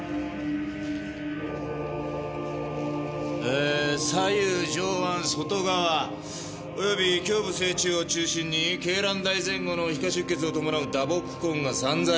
えー左右上腕外側および胸部正中を中心に鶏卵大前後の皮下出血をともなう打撲痕が散在。